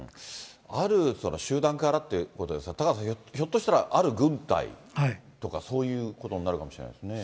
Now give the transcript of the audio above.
ある集団からっていうことですが、タカさん、ひょっとしたら、ある軍隊とか、そういうことになるかもしれないですね。